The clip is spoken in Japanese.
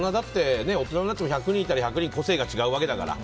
大人になっても１００人いたら１００人個性が違うわけだから。